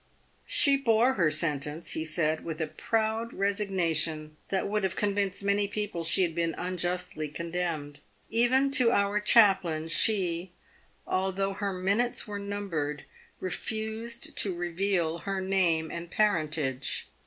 " She bore her sentence," he said, " with a proud resigna tion that would have convinced many people she had been unjustly condemned. Even to our chaplain she, although her minutes were numbered, refused to reveal her name and parentage."